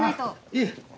いえ。